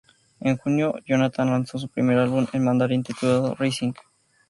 En junio, Jonathan lanzó su primer álbum en mandarín titulado "Rising".